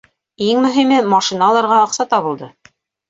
Иң мөһиме - машина алырға аҡса табылды!